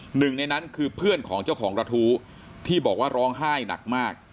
หนึ่งในนั้นคือเพื่อนของเจ้าของกระทู้ที่บอกว่าร้องไห้หนักมาก